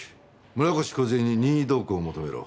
村越梢に任意同行を求めろ。